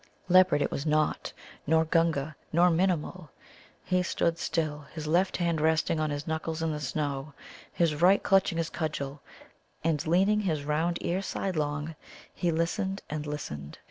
Leopard it was not, nor Gunga, nor Minimul. He stood still, his left hand resting on its knuckles in the snow, his right clutching his cudgel, and leaning his round ear sidelong, he listened and listened.